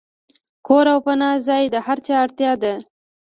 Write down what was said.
کور او پناه ځای د هر چا اړتیا ده.